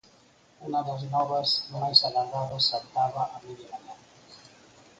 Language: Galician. Unha das novas máis agardadas saltaba a media mañá.